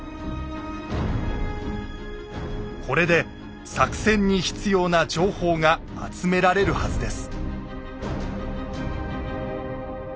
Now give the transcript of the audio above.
これで作戦に必要な情報が集められるはずです。